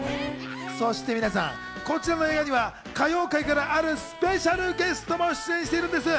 そして皆さん、こちらの映画には歌謡界からあるスペシャルゲストも出演しているんです。